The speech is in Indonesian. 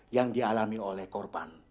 yang dialami oleh korban